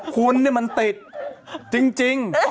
คุณนี่มันติดจริง